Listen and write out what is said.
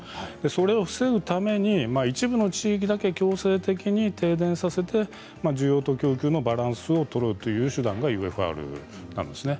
それを防ぐために一部の地域だけ強制的に停電させて需要と供給のバランスを取ろうという手段があるんです。